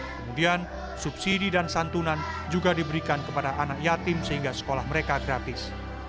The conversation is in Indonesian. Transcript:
kemudian subsidi dan santunan juga diberikan kepada anak yatim sehingga sekolah mereka gratis